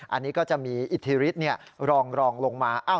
อันนี้ก็จะมีอิทธิฤทธิ์รองลงมา